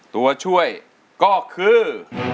ตัวช่วยก็คือ